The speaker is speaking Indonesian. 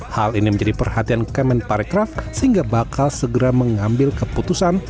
hal ini menjadi perhatian kemen parekraf sehingga bakal segera mengambil keputusan